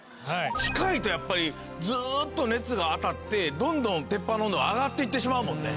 近いとやっぱりずーっと熱が当たってどんどん鉄板の温度が上がっていってしまうもんね。